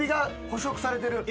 捕食されてる。